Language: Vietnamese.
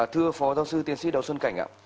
thưa phó giáo sư tiến sĩ đào xuân cảnh